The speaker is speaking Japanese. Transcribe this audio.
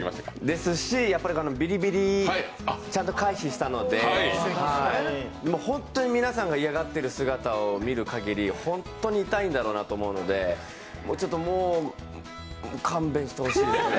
ですし、ビリビリちゃんと回避したので、もう本当に皆さん嫌がってる姿を見るかぎりホントに痛いんだろうなと思うのでもう勘弁してほしいですね。